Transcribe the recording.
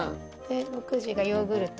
６時がヨーグルト。